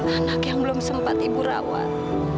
anak yang belum sempat ibu rawat